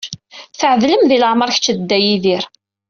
Tɛedlem di leɛmeṛ kečč d Dda Yidir.